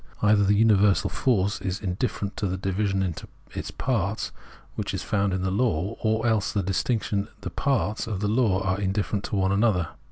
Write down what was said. Either the universal, force, is indifferent to the division into parts, which is found in the law, or else the distinctions, the parts of the law, are indifferent to one another.